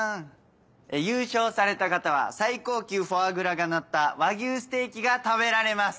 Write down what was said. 優勝された方は最高級フォアグラがのった和牛ステーキが食べられます！